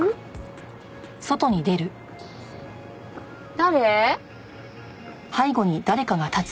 誰？